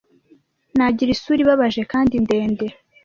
nagira isura ibabaje kandi ndende